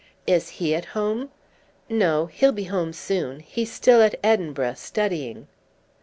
"Is he at home?" "No. He'll be home soon. He's still at Edinburgh studying."